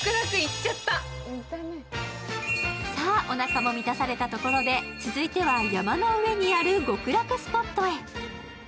さあ、おなかも満たされたところで、続いては、山の上にある極楽スポットへ。